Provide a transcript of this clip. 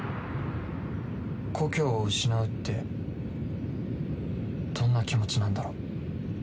故郷を失うってどんな気持ちなんだろう。